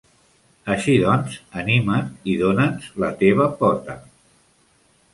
Així doncs, anima't i done'ns la teva pota.